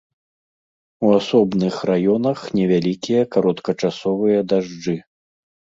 У асобных раёнах невялікія кароткачасовыя дажджы.